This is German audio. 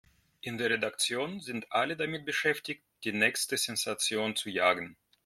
In der Redaktion sind alle damit beschäftigt, die nächste Sensation zu jagen.